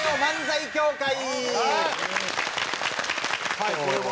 はいこれは？